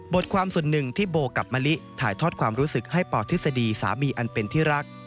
บทความส่วนหนึ่งที่โบกับมะลิถ่ายทอดความรู้สึกให้ปทฤษฎีสามีอันเป็นที่รัก